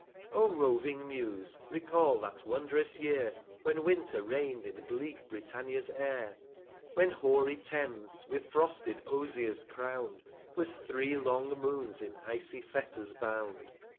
roving Muse, recal that wond'rous Year, 235 When Winter reign'd in bleak Britannia* Air ; When hoary Thames, with frosted Oziers crown'd, Was three long Moons in icy Fetters bound.